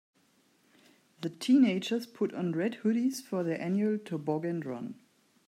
The teenagers put on red hoodies for their annual toboggan run.